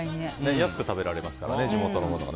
安く食べられますからね地元のものが。